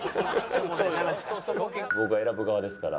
僕は選ぶ側ですから。